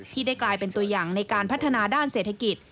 ที่ได้กลายเป็นตัวอย่างในการพัฒนาด้านเศรษฐกิจ